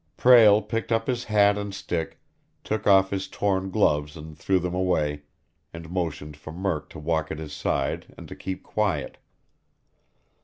Prale picked up his hat and stick, took off his torn gloves and threw them away, and motioned for Murk to walk at his side and to keep quiet.